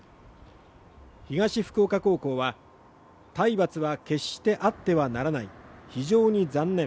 東福岡高校は、体罰は決してあってはならない非常に残念。